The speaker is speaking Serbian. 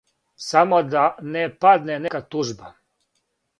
Само да не падне нека тужба!